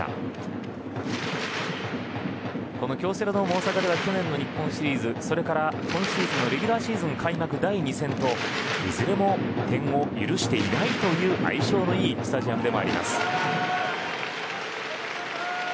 大阪では去年の日本シリーズそれから、今シーズンのレギュラーシーズン開幕第２戦といずれも点を許していないという相性のいいスタジアムでもあります。